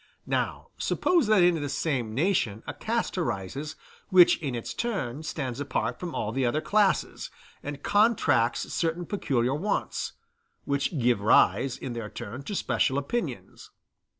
Now suppose that in this same nation a caste arises, which, in its turn, stands apart from all the other classes, and contracts certain peculiar wants, which give rise in their turn to special opinions.